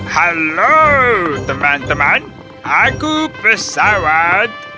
halo teman teman aku pesawat